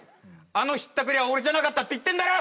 あのひったくりは俺じゃなかったって言ってんだろ！